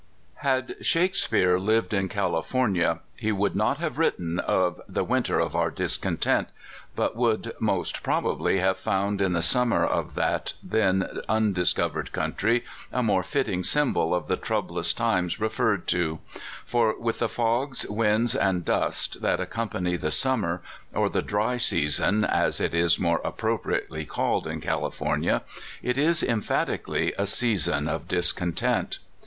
HAD Shakespeare lived in California, he would not have written of the "winter of our discontent,' 7 but would most probably have found in the summer of that then undiscovered country a more fitting symbol of the troublous times referred to; for, with the fogs, winds, and dust, that accompany the summer, or the "dry season," as it is more appropriately called in Cali fornia, it is emphatically a season of discontent.